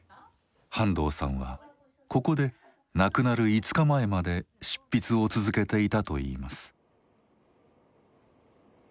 半藤さんはここで亡くなる５日前まで執筆を続けていたといいます。